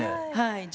はい。